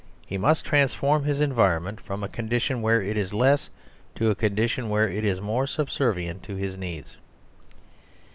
He must transform his en vironment from a condition where it is less to a con dition where it is more subservient to his needs.